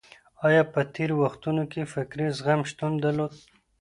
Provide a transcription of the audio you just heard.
آيا په تېرو وختونو کي فکري زغم شتون درلود؟